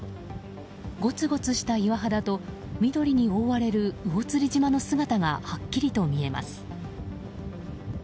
ごつごつした岩肌と緑に覆われる魚釣島の姿がはっきりと見えます。